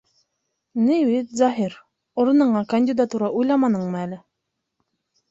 Ни бит, Заһир... урыныңа кандидатура уйламаныңмы әле?